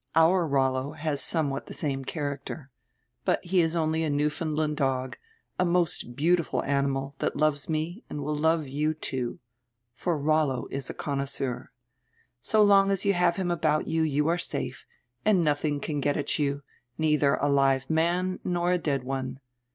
Our Rollo has somewhat die same character. But he is only a Newfoundland dog, a most beautiful animal, that loves me and will love you, too. For Rollo is a con noisseur. So long as you have him about you, you are safe, and nothing can get at you, neither a live man nor a dead one.